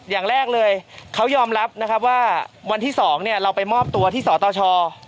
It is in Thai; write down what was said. อย่างแรกเลยเขายอมรับนะครับว่าวันที่๒เราไปมอบตัวที่สตช